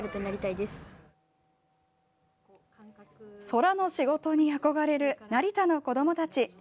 空の仕事に憧れる成田の子どもたち。